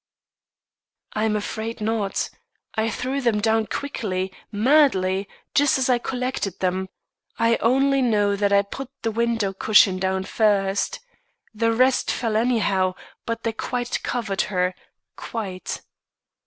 "I'm afraid not. I threw them down quickly, madly, just as I collected them. I only know that I put the window cushion down first. The rest fell anyhow; but they quite covered her quite."